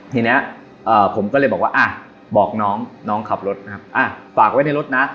ทีนี้ผมก็เลยบอกว่าอ่ะบอกน้องน้องขับรถนะครับฝากไว้ในรถนะ